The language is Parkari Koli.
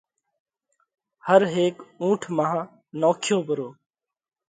هر هيڪ اُونٺ مانه نوکيو پرو۔